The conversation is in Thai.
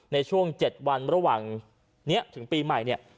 ในช่วง๗วันระหว่างนี้ถึงปีใหม่เนี่ย